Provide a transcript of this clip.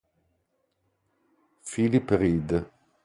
Phillip Reed